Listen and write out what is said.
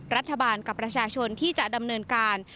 รัฐบาลกับประชาชนที่จะดำเนินการ